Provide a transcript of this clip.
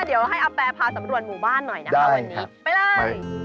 เดี๋ยวให้อาแปรพาสำรวจหมู่บ้านหน่อยนะคะวันนี้ไปเลย